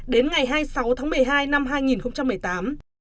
đến ngày hai mươi sáu tháng một mươi hai năm hai nghìn một mươi tám